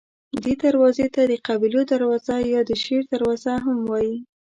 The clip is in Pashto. دې دروازې ته د قبیلو دروازه یا د شیر دروازه هم وایي.